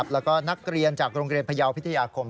แล้วก็นักเรียนจากโรงเรียนพยาวพิทยาคม